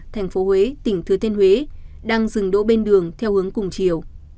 thành phố huế tỉnh thừa thiên huế đang dừng đỗ bên đường theo hướng cùng chiều